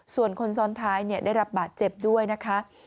ส่วนคนซ้อนท้ายได้รับบาดเจ็บด้วยนะคะ